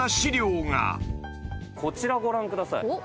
こちらご覧ください。